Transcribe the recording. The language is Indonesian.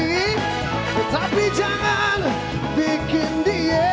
ketinggalan zaman katanya